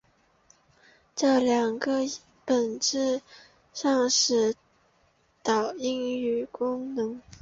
这两个音本质上行使导音的功能。